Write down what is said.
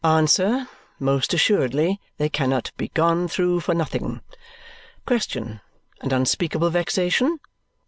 Answer: Most assuredly they cannot be gone through for nothing. Question: And unspeakable vexation?